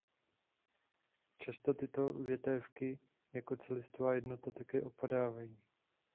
Často tyto větévky jako celistvá jednotka také opadávají.